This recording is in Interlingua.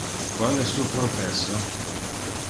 Qual es tu progresso?